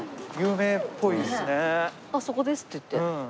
「あそこです」って言って。